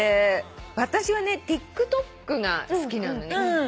私はねＴｉｋＴｏｋが好きなのね。